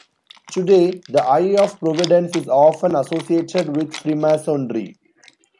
Today, the Eye of Providence is often associated with Freemasonry.